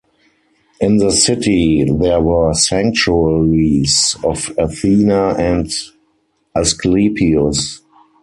In the city there were sanctuaries of Athena and Asclepius.